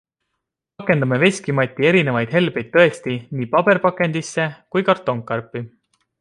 Pakendame Veski Mati erinevaid helbeid tõesti nii paberpakendisse kui kartongkarpi.